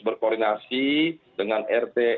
berkoordinasi dengan rt